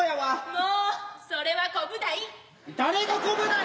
もうそれはコブダイ。